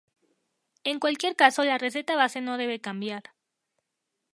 En cualquier caso la receta base no debe cambiar.